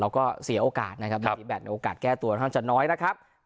เสียโอกาสนะครับมีแบตในโอกาสแก้ตัวค่อนข้างจะน้อยนะครับ